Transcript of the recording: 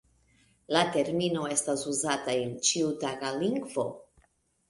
La termino estas uzata en ĉiutaga lingvo.